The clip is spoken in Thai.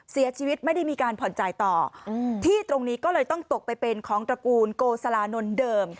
เสียชีวิตไม่ได้มีการผ่อนจ่ายต่อที่ตรงนี้ก็เลยต้องตกไปเป็นของตระกูลโกสลานนท์เดิม